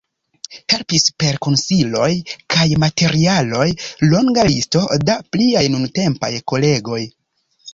Helpis per konsiloj kaj materialoj longa listo da pliaj nuntempaj kolegoj.